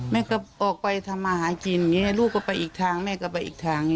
แม่ก็ออกไปทำอาหารจีนลูกก็ไปอีกทางแม่ก็ไปอีกทาง